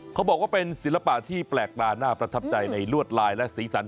เขาบอกว่าเป็นศิลปะที่แปลกตาน่าประทับใจในลวดลายและสีสัน